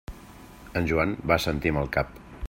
En Joan va assentir amb el cap.